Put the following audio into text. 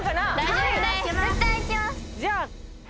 じゃあ。